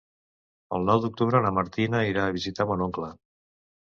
El nou d'octubre na Martina irà a visitar mon oncle.